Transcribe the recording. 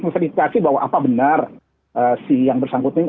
mesti dikasih bahwa apa benar si yang bersangkutin